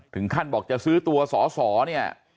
ถึงขั้นบอกจะซื้อตัวสอสอเนี่ย